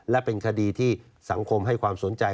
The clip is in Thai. และเป็นคดีที่สังคมให้ความสนใจ